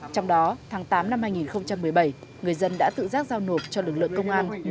trong đó tháng tám năm hai nghìn một mươi bảy người dân đã tự giác giao nộp cho lực lượng công an